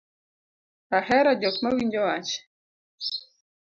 Ahero jok ma winjo wach